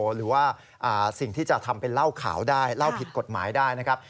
หรือว่าสิ่งที่จะทำเป็นเหล้าขาวได้เล่าผิดกฎหมายได้นะครับ